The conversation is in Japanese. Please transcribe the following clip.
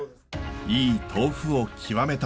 いい豆腐を極めたい。